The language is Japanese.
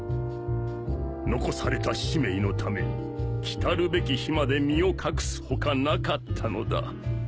残された使命のため来るべき日まで身を隠す他なかったのだ。